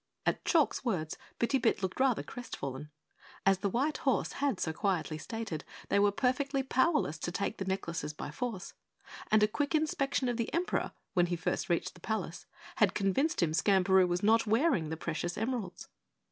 At Chalk's words, Bitty Bit looked rather crestfallen. As the white horse had so quietly stated, they were perfectly powerless to take the necklaces by force and a quick inspection of the Emperor, when he first reached the palace, had convinced him Skamperoo was not wearing the precious emeralds.